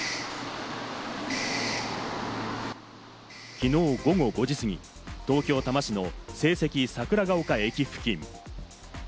きのう午後５時過ぎ、東京・多摩市の聖蹟桜ヶ丘駅付近。